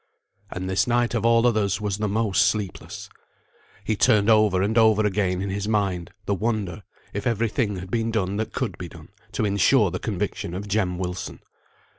And this night of all others was the most sleepless. He turned over and over again in his mind the wonder if every thing had been done that could be done, to insure the conviction of Jem Wilson.